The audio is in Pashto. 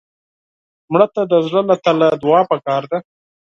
مړه ته د زړه له تله دعا پکار ده